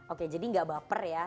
oke jadi nggak baper ya